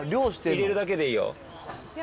行けるだけでいいよ。